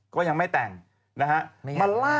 ก็ยังไม่แต่งนะฮะ